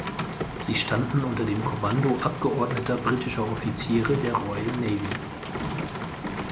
Sie standen unter dem Kommando abgeordneter britischer Offiziere der Royal Navy.